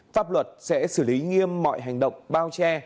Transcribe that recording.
pháp luật sẽ xử lý nghiêm mọi hành động bao che